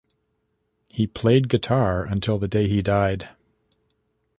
He played guitar until the day he died.